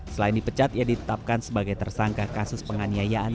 selain dipecat ia ditetapkan sebagai tersangka kasus penganiayaan